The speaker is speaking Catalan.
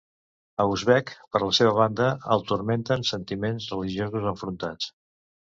A Usbek, per la seva banda, el turmenten sentiments religiosos enfrontats.